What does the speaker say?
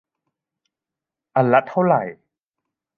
อันละเท่าไหร่